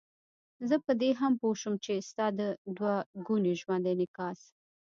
زه په دې هم پوه شوم چې ستا د دوه ګوني ژوند انعکاس.